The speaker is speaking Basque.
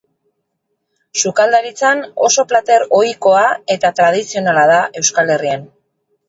Sukaldaritzan, oso plater ohikoa eta tradizionala da Euskal Herrian.